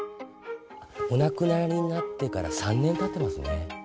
お亡くなりになってから３年たってますね。